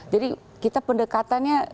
jadi kita pendekatannya